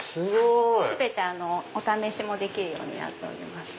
すごい！お試しもできるようになってます。